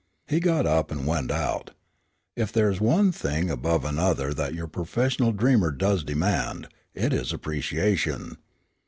He got up and went out. If there is one thing above another that your professional dreamer does demand, it is appreciation.